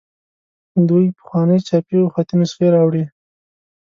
دوی پخوانۍ چاپي او خطي نسخې راوړي.